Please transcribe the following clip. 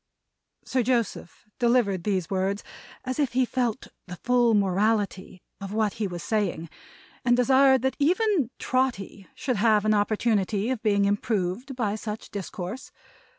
Sir Joseph delivered these words as if he felt the full morality of what he was saying, and desired that even Trotty should have an opportunity of being improved by such discourse.